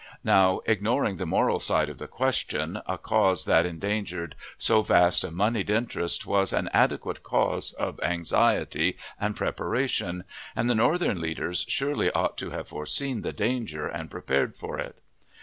Now, ignoring the moral side of the question, a cause that endangered so vast a moneyed interest was an adequate cause of anxiety and preparation, and the Northern leaders surely ought to have foreseen the danger and prepared for it.